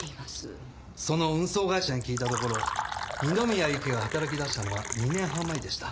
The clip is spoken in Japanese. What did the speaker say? その運送会社に聞いたところ二宮ゆきが働きだしたのは２年半前でした。